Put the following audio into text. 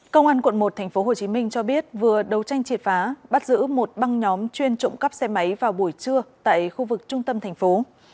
công an quận một tp hcm cho biết vừa đấu tranh triệt phá bắt giữ một băng nhóm chuyên trộm cắp xe máy vào buổi trưa tại khu vực trung tâm thành phố